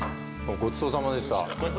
ごちそうさまでした。